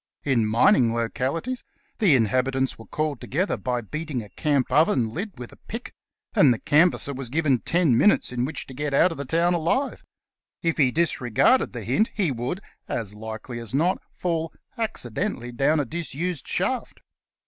In mining localities the inhabitants were called to gether by beating a camp oven lid with a pick, and the can vasser v/as given ten minutes in which to get out of the town alive. If he disregarded the hint he would, as likely as not, fall accidentally down a disused shaft.